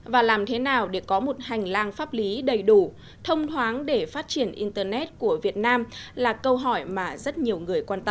và làm thế nào để có một hành lang pháp lý đầy đủ thông thoáng để phát triển internet của việt nam là câu hỏi mà rất nhiều người quan tâm